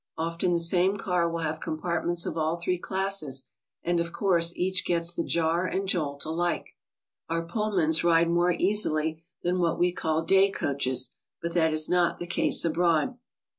Often the same car will have compartments of all three classes, and of course each gets the jar and jolt alike. Our Pullmans ride more easily than what we call day coaches, but that is not the case abroad.